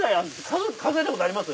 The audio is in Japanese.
数えたことあります？